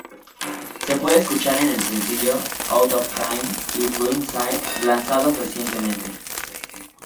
Se puede escuchar en el sencillo "Out of time" y "Blind Side" lanzados recientemente.